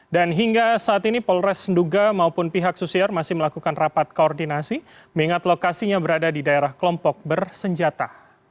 dan hingga saat ini polres tenduga maupun pihak susier masih melakukan rapat koordinasi mengingat lokasinya berada di daerah kelompok bersenjata